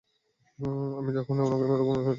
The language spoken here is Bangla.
আমি তখনি আপনাকে ওকে মেরে ফেলতে বলেছিলাম।